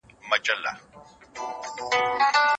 که مېرمني طلاق غوښت مهر به بېرته ورکوي؟